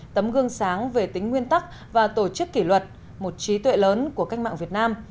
tấm gương sáng về tính nguyên tắc và tổ chức kỷ luật một trí tuệ lớn của cách mạng việt nam